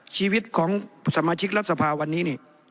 ชีวิตของสมาชิกรัฐสภาวันนี้นี่